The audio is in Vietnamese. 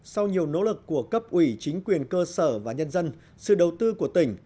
sau nhiều nỗ lực của cấp ủy chính quyền cơ sở và nhân dân sự đầu tư của tỉnh